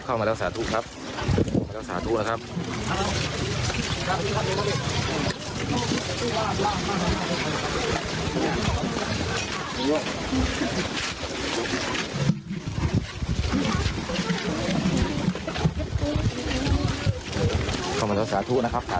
เข้ามาแล้วสาธุครับ